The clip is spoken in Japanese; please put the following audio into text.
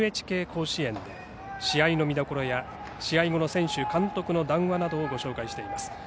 「＃ＮＨＫ甲子園」で試合の見どころや試合後の選手、監督の談話などをご紹介しています。